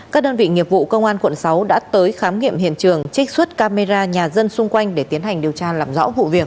các đơn vị nghiệp vụ công an quận sáu đã tới khám nghiệm hiện trường trích xuất camera nhà dân xung quanh để tiến hành điều tra làm rõ vụ việc